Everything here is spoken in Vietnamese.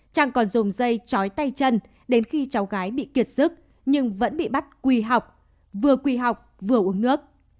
trang còn dùng dây chói tay chân đến khi cháu gái bị kiệt sức nhưng vẫn bị bắt quỳ học vừa quỳ học vừa uống nước